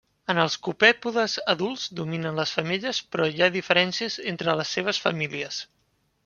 En els copèpodes adults dominen les femelles però hi ha diferències entre les seves famílies.